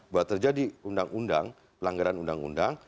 bahwa terjadi undang undang pelanggaran undang undang